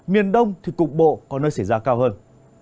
miền đông thì cục bộ có nơi xảy ra cao hơn